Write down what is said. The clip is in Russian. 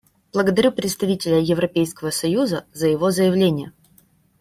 Благодарю представителя Европейского союза за его заявление.